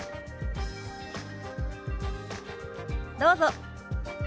どうぞ。